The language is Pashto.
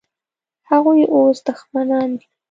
هغوی اوس دښمنان دي.